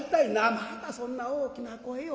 「またそんな大きな声を。